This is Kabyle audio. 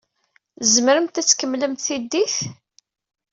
Tzemremt ad tkemmlemt tiddit?